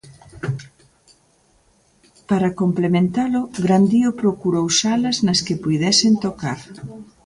Para complementalo, Grandío procurou salas nas que puidesen tocar.